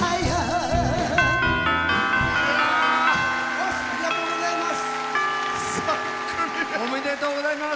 押忍、ありがとうございます！